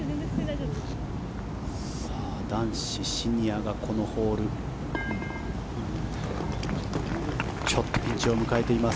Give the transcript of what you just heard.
男子、シニアがこのホールちょっとピンチを迎えています。